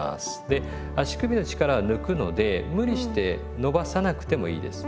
で足首の力を抜くので無理して伸ばさなくてもいいです。